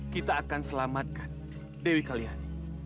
kita akan selamatkan dewi kalian